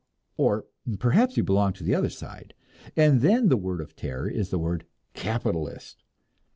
Or perhaps you belong to the other side, and then your word of terror is the word "Capitalist."